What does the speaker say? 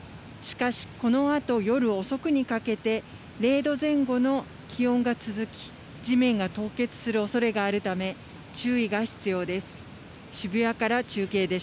しかし、このあと夜遅くにかけて、０度前後の気温が続き、地面が凍結するおそれがあるため、注意が必要です。